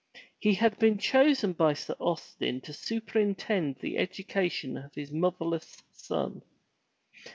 He had been chosen by Sir Austin to superintend the education of his motherless son.